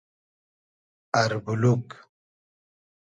اربولوگ